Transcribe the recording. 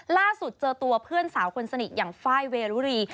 ล่าสุดเจอตัวเพื่อนสาวคนสนิทอย่างไฟล์เวรุรี